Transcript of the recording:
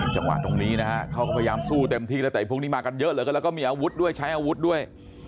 จังหวะตรงนี้นะฮะเขาก็พยายามสู้เต็มที่แล้วแต่พวกนี้มากันเยอะเหลือเกินแล้วก็มีอาวุธด้วยใช้อาวุธด้วย